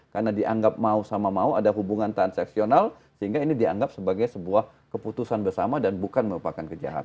karena dianggap mau sama mau ada hubungan transaksional sehingga ini dianggap sebagai sebuah keputusan bersama dan bukan merupakan kejahatan